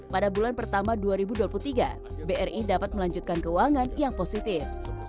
pada bulan pertama dua ribu dua puluh tiga bri dapat melanjutkan keuangan yang positif